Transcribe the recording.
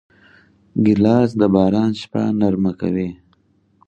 ګیلاس د باران شپه نرمه کوي.